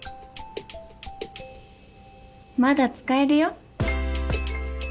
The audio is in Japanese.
まだ使えるよ。